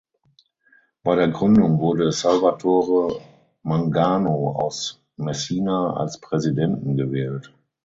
Bei der Gründung wurde Salvatore Mangano aus Messina als Präsidenten gewählt.